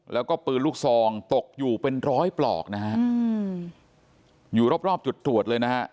แล้วก็ปืนลูกซองตกอยู่เป็นร้อยปลอกนะฮะอยู่รอบรอบจุดตรวจเลยนะฮะ